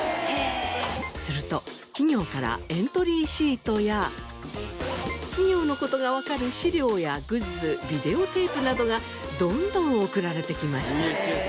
すると企業からエントリーシートや企業の事がわかる資料やグッズビデオテープなどがどんどん送られてきました。